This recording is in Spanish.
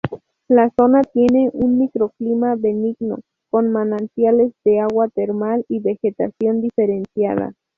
La zona tiene un microclima benigno, con manantiales de agua termal y vegetación diferenciada.